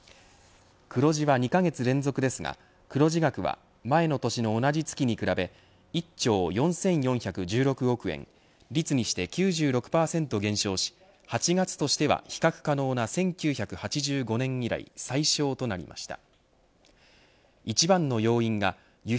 黒字は２カ月連続ですが黒字額は前の年の同じ月に比べ１兆４４１６億円率にして９６％減少し８月としては、比較可能な１９８５年以来最小となりました。